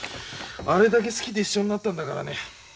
あれだけ好きで一緒になったんだからね。